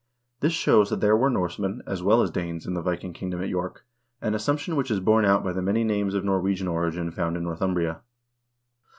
This shows that there were Norsemen, as well as Danes, in the Viking kingdom at York, an assumption which is borne out by the many names of Norwegian origin found in Northumbria.